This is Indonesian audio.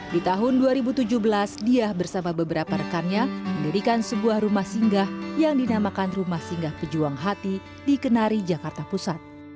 di tahun dua ribu tujuh belas diah bersama beberapa rekannya mendirikan sebuah rumah singgah yang dinamakan rumah singgah pejuang hati di kenari jakarta pusat